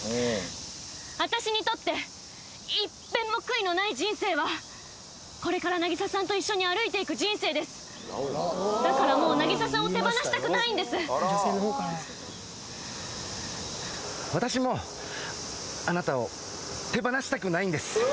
私にとって一片も悔いのない人生はこれからナギサさんと一緒に歩いていく人生ですだからもうナギサさんを手放したくないんです私もあなたを手放したくないんです